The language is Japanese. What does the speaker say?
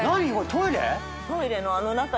トイレ